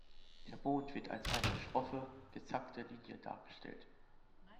Der Mond wird als eine schroffe, gezackte Linie dargestellt.